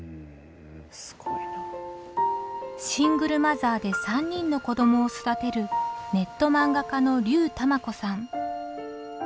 シングルマザーで３人の子どもを育てるネット漫画家の龍たまこさん。